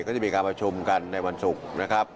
ก็จะมีการประชุมกันในวันศุกร์นะครับ